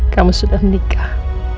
kamu sudah menikah